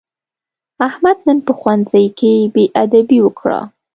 احمد نن په ښوونځي کې بېادبي وکړه.